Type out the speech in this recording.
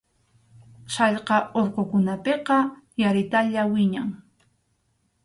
Sallqa urqukunapiqa yaritalla wiñan.